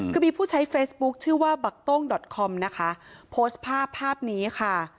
คือมีผู้ใช้เฟซบุ๊คชื่อว่าบักต้งดอตคอมนะคะโพสต์ภาพภาพนี้ค่ะ